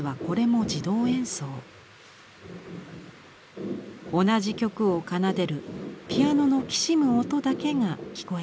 同じ曲を奏でるピアノのきしむ音だけが聞こえてきます。